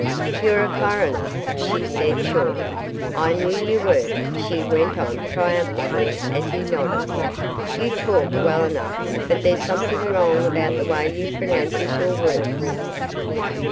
'You're a furriner,' she said, shortly; 'I knew you were,' she went on triumphantly as he nodded, 'you talk well enough, but there's something wrong about the way you pronounces your words.